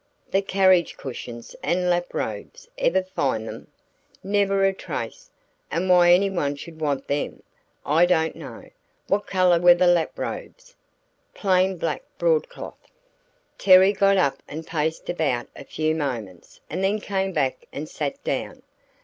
"The carriage cushions and lap robes ever find them?" "Never a trace and why anyone should want 'em, I don't know!" "What color were the lap robes?" "Plain black broadcloth." Terry got up and paced about a few moments and then came back and sat down.